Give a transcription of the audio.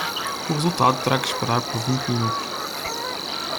O resultado terá que esperar por vinte minutos.